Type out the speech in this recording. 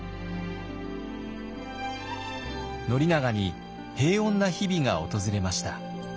宣長に平穏な日々が訪れました。